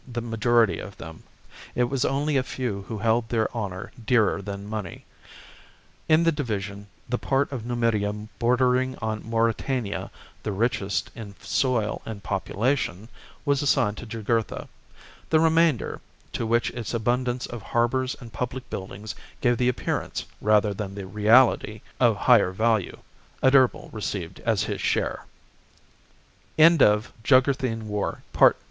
the majority of them : it was only a few who held their honour dearer than money. In the division, the part of Numidia bordering on Mauritania, the richest in soil and population, was assigned to Jugurtha ; the remainder, to which its abundance of harbours and public buildings gave the appearance rather than the reality of higher va